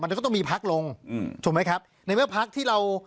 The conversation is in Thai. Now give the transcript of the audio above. มันก็ต้องมีพักลงอืมถูกไหมครับในเมื่อพักที่เรา